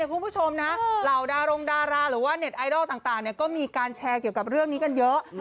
คุณผู้ชมนะเหล่าดารงดาราหรือว่าเน็ตไอดอลต่างก็มีการแชร์เกี่ยวกับเรื่องนี้กันเยอะ